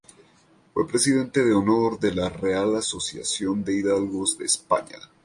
Fue presidente de honor de la Real Asociación de Hidalgos de España.